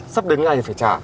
sắp đến ngày phải trả